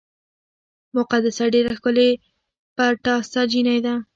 مقدسه ډېره ښکلې پټاسه جینۍ ده